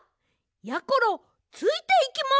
やころついていきます！